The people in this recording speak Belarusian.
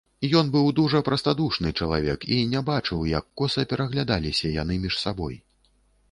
Ён быў дужа прастадушны чалавек і не бачыў, як коса пераглядаліся яны між сабой.